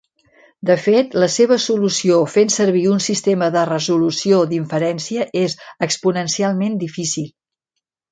De fet, la seva solució fent servir un sistema de resolució d'inferència és exponencialment difícil.